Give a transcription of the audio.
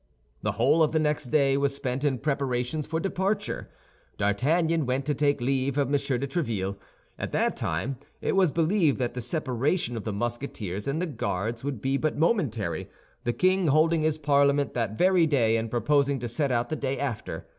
The whole of the next day was spent in preparations for departure. D'Artagnan went to take leave of M. de Tréville. At that time it was believed that the separation of the Musketeers and the Guards would be but momentary, the king holding his Parliament that very day and proposing to set out the day after.